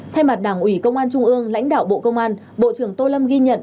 thay mặt đảng ủy công an trung ương lãnh đạo bộ công an bộ trưởng tô lâm ghi nhận